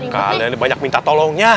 kalian banyak minta tolongnya